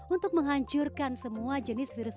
untuk menghancurkan semua jenis virus